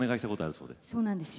そうなんですよ。